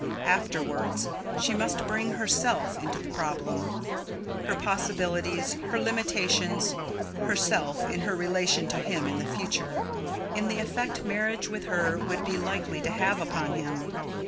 Afterwards she must bring HERSELF into the problem, her possibilities; her limitations; herself, in her relation to him in the future; in the effect marriage with her would be likely to have upon him.